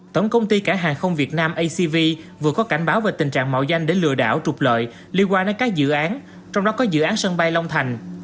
tổng công ty cảng hàng không việt nam acv vừa có cảnh báo về tình trạng mạo danh để lừa đảo trục lợi liên quan đến các dự án trong đó có dự án sân bay long thành